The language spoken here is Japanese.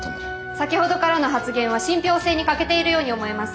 先ほどからの発言は信ぴょう性に欠けているように思えます。